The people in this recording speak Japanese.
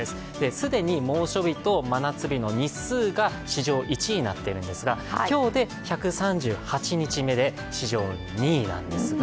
既に猛暑日と真夏日の日数が史上１位になっているんですが、今日で１３８日目で史上２位なんですが、